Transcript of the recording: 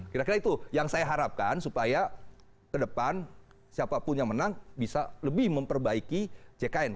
kira kira itu yang saya harapkan supaya ke depan siapapun yang menang bisa lebih memperbaiki jkn